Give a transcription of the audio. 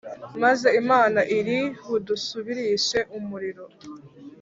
Maze Imana iri budusubirishe umuriro